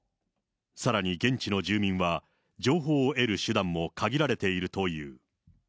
さらに現地の住民は、情報を得る手段も限られているという。